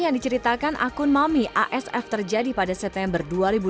yang diceritakan akun momi isf terjadi pada september dua ribu delapan belas